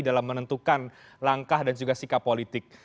dalam menentukan langkah dan juga sikap politik